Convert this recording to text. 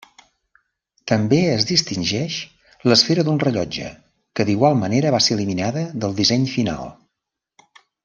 També es distingeix l'esfera d'un rellotge, que d'igual manera va ser eliminada del disseny final.